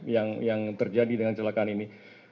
yang terjadi dengan celakaan ini